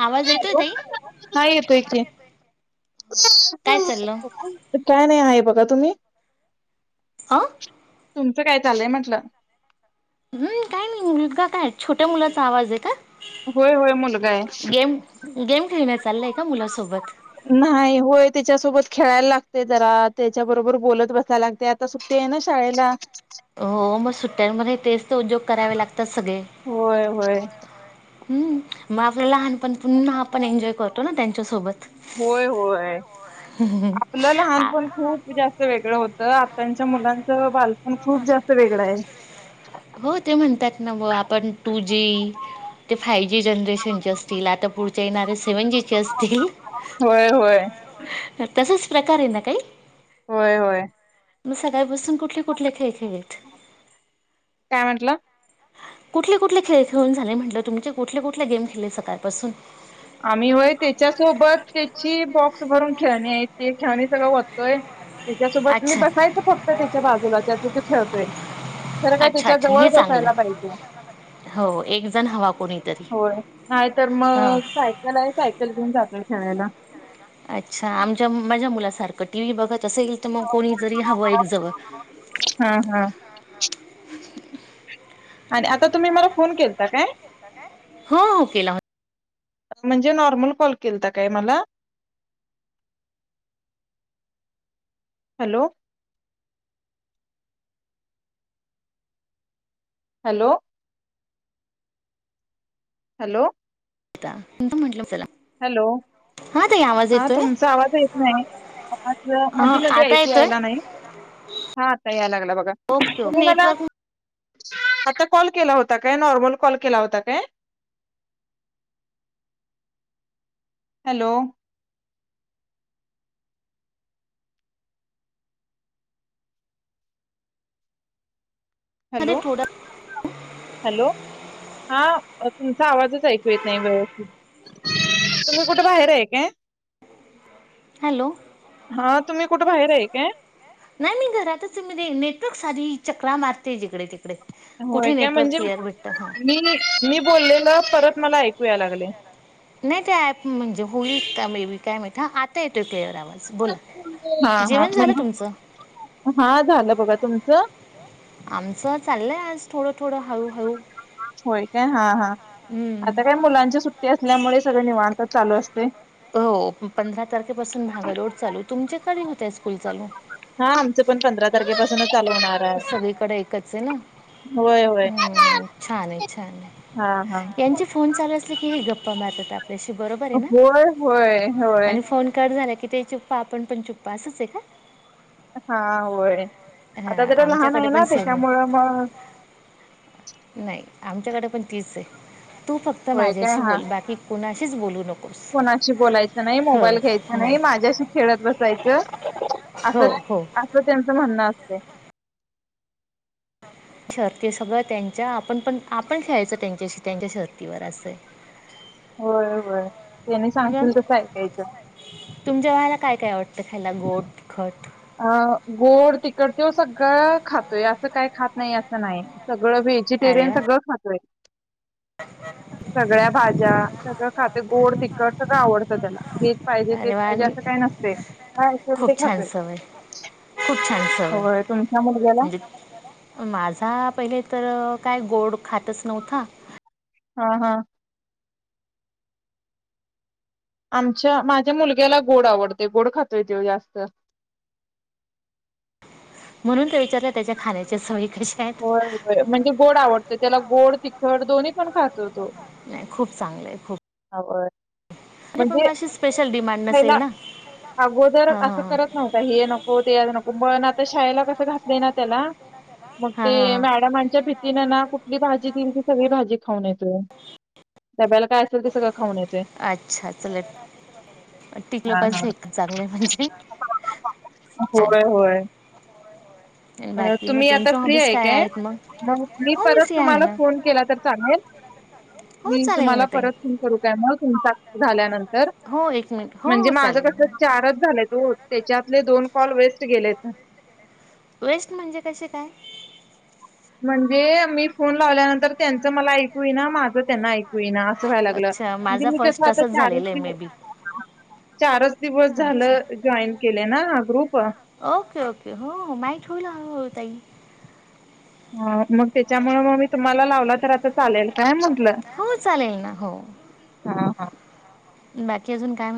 आवाज येतोय हॅलो ताई हा येतोय कि काय चाललं बघा तुम्ही आ तुमचं काय चालंय म्हटलं हम्म काय नाही मुलगा काय छोट्या मुलाचा आवाज आहे का होय होय मुलगा आहे. गेम गेम खेळण चाललंय त्या मुलासोबत नाही होय त्याच्यासोबत खेळायला लागते जरा त्याच्याबरोबर बोलत बसायला लागते आता सुट्टी आहे ना शाळेला हो मग सुट्ट्यां म तेच तर उद्योग करावे लागत होय होय हम्म मग आपलं लहानपण पुन्हा आपण एन्जॉय करतो ना त्यांच्यासोबत होय होय आपलं आ लहानपण खूप जास्त वेगळं होत तर आ त्यांच्या मुलांचं बाल हो ते म्हणतात ना आपणू जी ते फायव जी जनरेशनचे असतील आता पुढच्या येणारे शिवंजीची असती होय होय तसच प्रकारे ना काही होय होय मग सकाळी बसून कुठले कुठले खेळ खेळ आहेत काय म्हटलं कुठले कुठले खेळ खेळून झाले म्हटलं तुमचे कुठले कुठले गेम खेळले सकाळपासून आम्ही वय त्याच्यासोबत त्याची बॉक्स भरून खेळणे ते खेळणे सगळं होत काय त्याच्यासोबत मी अच्छा बसायच फक्त त्याच्या बाजूला त्याच त खेळतोय खरं काय अच्छा त्याच्या अच्छा जवळ हे चांगलं बसायला पाहिजे हो एक जण हवा कोणीतरी होय नाही तर हां मग सायकल आहे सायकल घेऊन जातोय खेळायला अच्छा आमच्या माझ्या मुलासारखं टीव्ही बघत त येईल तर मग कोणी जरी हवं एकजवळ हा हा आणि आता तुम्ही मला फोन केलता काय हो हो केला हो म्हणजे नॉर्मल कॉल केलता काय मला हॅलो हॅलो हॅलो हो त म्हंटलं चला हॅलो हा ताई आवाज हा येतोय तुमचा आवाज येत नाही आवाज हा मधी मध्ये आता ऐकू येतोय यायला नाही हा आता याय लागला बघा ओके ओके तुम्ही मला नेटवर्क आता कॉल केला होता काय नॉर्मल कॉल केला होता काय हॅलो हॅलो प्रोड हॅलो हा तुमचा आवाजच ऐकू येत नाही व्यवथित तुम्ही कुठे बाहेर आहे काय हॅलो हा तुम्ही कुठे बाहेर आहे काय नाही मी घरातच मी नेटवर्क साध चकला मारते जिकडे तडे होय काय म्हणजे हां मी मी बोललेलं परत मला ऐक या लागले नाही ते म्हणजे होळी का बेबी काय मा आ ते त क्लेर आवाज बोला हा हा जेवण झालं म्हणजे तुमचं हा झालं बघा तुमचं आमचं चाललंय आज थोडं थोडं हळूहळू होय काय हा हा हम्म. आता काय मुलांची सुट्टी असल्यामुळे सगळे निवारता चालू असते हो पंधरा तारखेपासून स्कूलचालू हा आमचं पण पंधरा तारखेपासूनच चालू होणार आहे सगळीकडे एकच आहे ना होय, होय. हम्म छान आहे छान हां, हां. आहे यांचे फोन चालू असले की हे गप् पप मतत शी बरोबर आहे होय, होय, ना होय. आणि फोन काढ झाले का कि ते चुप्पा आपण पण चुप्पा असंच आहे का हा, होय. आता हां जरा लहान आमच्याकडे आहे ना पण सेम आहे त्याच्यामुळं, मग? नाही आमच्याकडे पण तेच हे. तू फक्त होय काय माझ्याशी हां. बोल. बाकी कुणाशी - च बोलू नको. कोणाशी बोलायचं नाही, मोबाईल घ्यायचं नाही, माझ्याशी खेळत बसायचं अस हो हो असं त्यांचं म्हणणं असत. ह शर्ती सगळं त्यांच्या आपण पण आपण खेळायचं त्यांच्याशी त्यांच्या शर्तीवर असे. होय, होय त्यांनी मग सांगतील तसं ऐकायचं. तुमच्या वहाला काय काय आवडतं खायला - गोड, तिखट? अ, गोड- तिखत तो सगळं खातोय असं काय खात नाही असं नाही! सगळं अरे व्हेजिटेरियन वा सगळं खातोय. सगळ्या भाज्या- सगळं खातय गोड- तिखट सगळं आवडतं त्याला हे पाहिजे तेच अरे वा पाहिजे असं काही नसतय काय असल ते खूप छान खातोय. सवय खूप छान सवय. होय तुमच्या मुलग्याला म्हणजे माझा पहिले तर- काय गोड खातच नव्हथा. हा हा आमच्या माझ्या मुलग्याला गोड आवडते. गोड खातोय तो जास्त. म्हणून ते विचारले त्याच्या खाण्याच्या सव - होय, होय म्हणजे गोड आवडत त्याला गोड तिखड दोन्ही पण खा- [inaudible] नाही, खूप चांगलंय खूप! ओय अरे पण म्हणजे माझी स्पेशल डिमांड पहिला नसेल ना अगोदर हां हां असं हां करत नव्हता- 'हे नको, ते नको 'पण आता शाळेला कस घातलं ना त्याला? मग हां हां ते मॅडमांच्या भीतीनें ना कुठली भाजी देईल ती सगळी भाजी खाऊन येत हो तब्याला काय असेल ते सगळं खाऊन यायचे, हां अच्छा चला टीक हा, हा! लोकांचं एक चांगलं आहे म्हणजे छान होय होय आणि बाकी मग तुम्ही आता- तुमच्या फ्री हॉबीज आहे काय? आहेत मग मी हो परत फ्री आहे तुम्हाला ना फोन केला तर चालेल? हो मी चालेल तुम्हाला ना ताई परत फोन करू काय मग? हिंता झाल्यानंतर तर हो एक मिनिट हो म्हणजे हो माझं चालेल कस ना चारच झालंय ओ त्याच्यातले दोन कॉल वेस्ट गेलेत न वेस्ट म्हणजे कसे काय? म्हणजे मी फोन लावल्यानंतर त्यांच मला ऐकू ना माझं त्यांना ऐकू ना असं व्हायला लाग अच्छा म्हणजे माझा मी कस फर्स्ट आता तसंच चारच झालेलं आहे दिव मे बी चारच दिवस झाल अच्छा जईन केले ना ग्रुप ओके ओके हो हो माहीत होईल हळूहळू ताई हा मग त्याच्यामुळे मग मी तुम्हाला लावला तर आता चालेल काय म्हटलं हो चालेल ना हो बाकी अजून कायण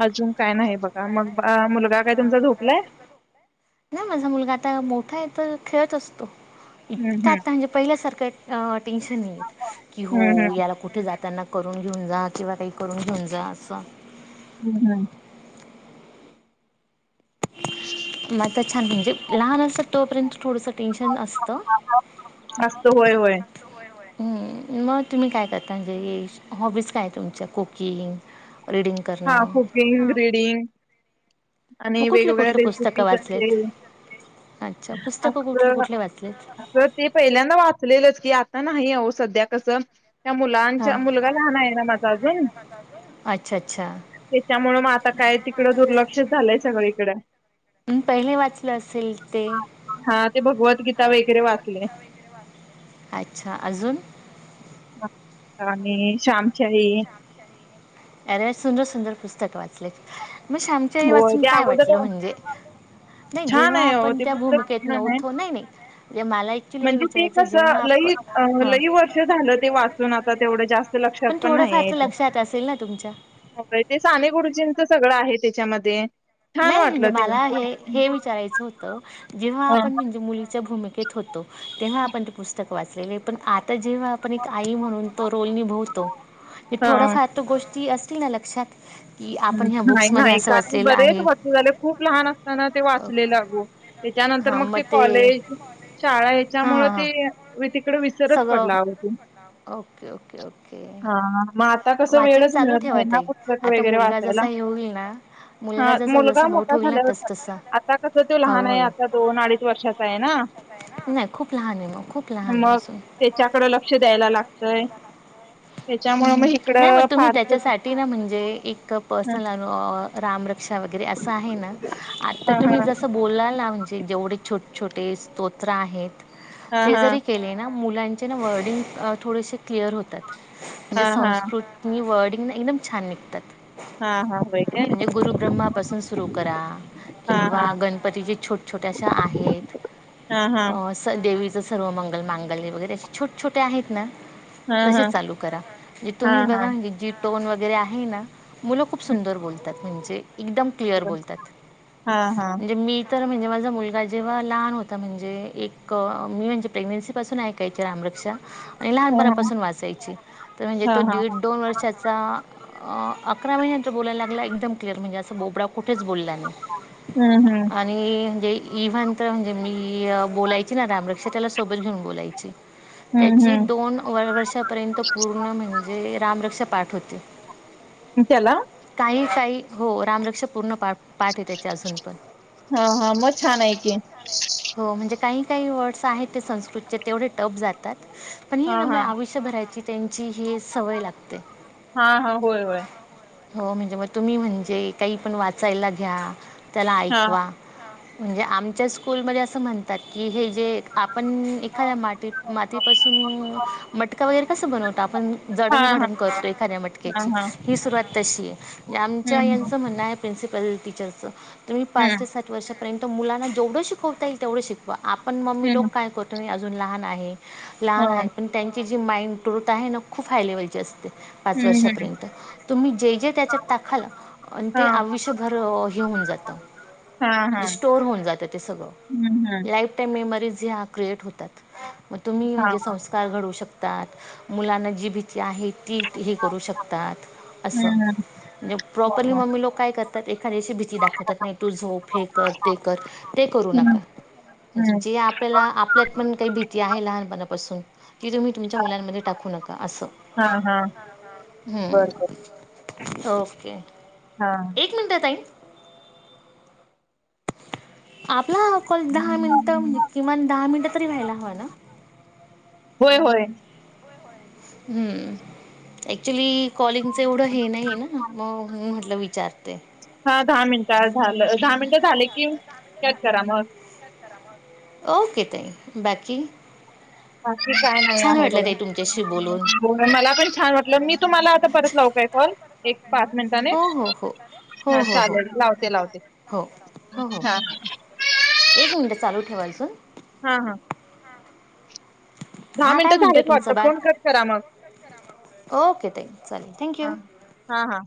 अजून काय नाही बघा मग मुलगा काय तुमचा झधोकलाय ना माझा मुलगा आता मोठा आहे तर खेळत असतो हम्म इता हम्म आता म्हणजे पहिल्यासारखं टेन्शन नाही की हो हम्म हम्म याला कुठे जात त्यांना करून घेऊन जा किंवा काही करून घेऊन जा असं हम्म हम्म मग छान म्हणे लहान असत तोपर्यंत थोड टेन्शन असत असत होय होय मग तुम्ही काय करता म्हणजे हॉबीज काय तुमच्या कुकिंग रीडिंग हा करणं कुकिंग र्रीडिंग मग आणि कुठले वेगवेगळ्या कुठले पुस्तकं रेसिपीज असेल वाचलेत अच्छा अस पुस्तकं कुठले कुठले वाचलेत असं ते पहिल्यांदा वाचलेलच की आ नाही अ सध्या कसं त्या हां मुलांचा मुलगा लहान आहे ना माझा अजून अच्छा अच्छा त्याच्यामुं मग आता काय तिकडं दुर्लक्ष झालंय सगळीकडे पहिले वाचलं असेल ते हा ते भगवद्गीता वगैरे वाचले अच्छा अजून राणी श्यामच्याई अरे सुंदर सुंदर पुस्तक वाचले मग श्यामच्याई होय, वाचून त्या काय अगोदर वाटलं म्हणजे नाही छान जेव्हा आहे हो आपण ते त्या पुस्तक भूमिकेत छान आहे. नव्हतो नाही नाही म्हणजे मला ॲक्च्युली हे म्हणजे ते विचारायचं कस जेव्हा लई आपण हां ल वर्ष झालं ते वाचून आता तेवढं जास्त लक्षात पण थोडंफार नाही तर लक्षात असेल ना तुमच्या ते साने गुरुजींचं सगळं आहे त्याच्यामध्ये छान नाही नाही म्हणजे वाटलं ते मला हे ऐकून. हे विचारायचं होत जेव्हा हं. आपण म्हणजे मुलीच भूमिकेत होतो तेव्हा आपण पुस्तक वाचलेली पण आत तर जेव्हा आपण एक आई म्हणून तो रोल निभवतो हां. हां, थोडाफार तो गोष्टी अस लक्षात की आपण ह्या बुक्समध्ये असं वाचलेलं आहे झा खूप लहान असताना ते वाचलेलागो त्यानंतर मग ते कॉलेज शाळा हां हच्यामुळे हां हां ते विसरत सगळं पडला मग ओके ओके ओके हां हां मग आत आता कसं वाचन वेळच चालू मिळत नाही ठेवा ना ताई पुस्तक क आता वगैरे वा मुलगा जसा हे होईल ना हा मुलगा जसा मुलगा जसा मोठ मोठा होईल ना झाल्या तस नंतर तसा आता कस तो लहान आहे आता हळूहळू दोन अडीच वर्षाचा आहे ना नाही खूप लहान आहे मग खूप लहान आहे मग अजून त्याच्याकडे लक्ष द्यायला लागतय ह् त्याच्यामुळे मग नाही मग इकडं तुम्ही फारस त्याच्यासाठी ना म्हणजे एक प ह चला रामर क्षा वगैरे असं आहे ना आता तुम्ही जसं ह बोलाला म्हणजे जेवढे छोट छोटे स्तोत्र आहेत ह ते जरी केले ना मुलांचे ना वर्डिंग थोडेसे क्लिअर होतात म्हणजे हा हा हा हा संस्कृती वडी एकदम छान निघतात हा हा होय काय म्हणजे गुरुब्रह्मापासून सुरु करा हा किंवा हा गणपती ज छोट छोट्याशा आहेत हा अ स देवी सर्व मंगल मांगल्ये वगैरे असे छोट छोटे आहेत ना हा हा जे हा हा तुम्ही हा बघा ना जी टोन वगैरे आहे ना मुलं खूप सुंदर बोलतात म्हणजे एकदम क्लिअर बोलतात हा हा हा म्हणजे मी तर म्हणजे माझा मुलगा जेव्हा लहान होता म्हणजे एक मी म्हणजे प्रेग्नेन्सी पासून ऐकायची रामरक्षा आणि लहानपणापासून वाचायची तर म्हणजे हा हा तो हा दीड दोन वर्षाचा अकरा महिन्यांतर बोलायला लागला एकदम क्लिअर म्हणजे बोबडा कुठेच बोला नाही हम्म हम्म आणी जे इव्हन तर म्हणजे मी बोलायची ना रामरक्षा त्याला सोबत घेऊन बोलायची हम्म, त्याची हम्म. दोन वर्षापर्यंत पूर्ण म्हणजे रामरक्षा पाठ होती त्याला नाही ताई हो रामरक्षा पूर्ण पाठ पाठ आहे त्याची अजून पण हां, हां. मग छान आहे की. हो म्हणजे काही काही वर्ड्स आहेत ते संस्कृतचे तेवढे टफ जातात पण ही [inaudible] भरायच त्यांची ही हा हा होय होय हो म्हणजे मग तुम्ही म्हणजे काही पण वाचायला घ्या त्याला हां. ऐकवा म्हणजे आमच्या स्कूलमध्ये असं म्हणतात की हे जे आप पण एखाद्या माटी मातीपासून मटका वगैरे कसं बनवत आपण जडण हां, हां. घडण करतो एखाद्या हां, मटक्याची हां. ही सुरुवात तशी आहे हं, आमच्या हं. यांचं म्हणणं आहे प्रिंसिपल टीचर्सच तुम्ही हं, पाच ते साठ वर्षात परंतु मुलांना जेवढं शिकवता येईल तेवढं शिकवा आपण मम्मी लोक हं. काय करतो अजून लहान आहे लहान हां. आहे पण त्यांची जी माइंड [inaudible] आहे ना खूप हायलेव्हलचे असते सात हं, हं. वर्षापर्यंत तुम्ही त्यात जे जे टाकाल ते हां. आयूष्यभर त्यात हे होऊन हां, हां. जात हं, हं. जे आ क्रिएट होतात मग तुम्ही हां, म्हणजे हां. संस्कार घडवू शकता तात मुलांना जी भीती आहे ती हे करू शकतात असं हं, हं. म्हणजे प्रॉपर्ली हां. मम्मी लोक काय करतात तर एक एखाद्याची भीती दाखवतात नाही तू झोप हे कर ते कर ते करू हं, नका हं. हां, म्हणजे हां. जे आपल्याला आपल्यात पण काही भीती आहे ना लहानपणापासून की तुम्ही तुमच्या मुलांमध्ये टाकू नका असं हा हां, हां. हा हम बरं, बरं. हम ओके हां. एक मिनिट ताई आप हा कॉल दहा मिनिटं किमान दहा मिनिटं तरी व्हायला हवा ना होय होय हम्म अक्चुली कॉलिंगचं एवढं हे नाही ना मग ला विचारते हा दहा मिनिट झालं दहा मिनिट झाले की कट करा मग ओके ताई बाकी बाकी काय नाही छान आहे वाटलं ताई तुमच्याशी बोलून बघा मला पण छान वाटलं मी तुम्हाला आता परत लावू काय कॉल एक पाच मिनटाने, हो हो हो हो हा हो हो चालेल लावते लावते हो हो हो हा ठेव अजून हा हा दहा हां काय मिनिटं म्हणतो झालेच वाटत तुमचं बाळ फोन कट करा मग ओके ताई चालेल ह थँक्यू हा हा